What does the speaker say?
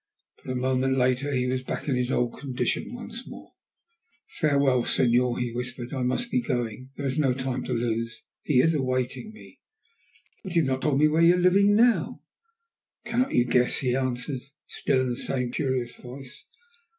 But a moment later he was back in his old condition once more. "Farewell, Senor," he whispered. "I must be going. There is no time to lose. He is awaiting me." "But you have not told me where you are living now?" "Cannot you guess?" he answered, still in the same curious voice.